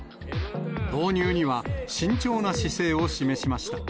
導入には慎重な姿勢を示しました。